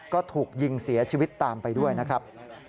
ก็ถูกยิงเสียชีวิตตามไปด้วยนะครับ